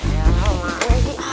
ya allah lagi